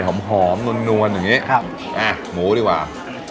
หอมหอมนวลอย่างนี้ครับอ่ะหมูดีกว่า